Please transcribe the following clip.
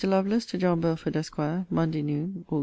LOVELACE, TO JOHN BELFORD, ESQ. MONDAY NOON, AUG.